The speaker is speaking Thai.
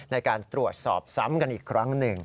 ในการตรวจสอบซ้ำกันอีกครั้งหนึ่ง